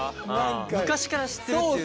昔から知ってるっていうね。